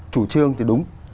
chủ trương thì đúng